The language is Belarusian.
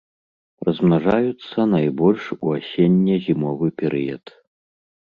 Размнажаюцца найбольш у асенне-зімовы перыяд.